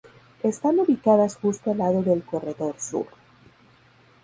Están ubicadas justo al lado del Corredor Sur.